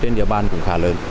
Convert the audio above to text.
trên địa bàn cũng khá lớn